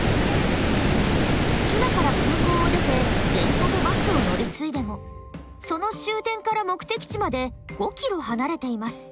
今から空港を出て電車とバスを乗り継いでもその終点から目的地まで５ｋｍ離れています。